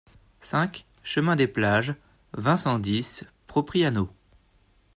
cinq chemin des Plages, vingt, cent dix, Propriano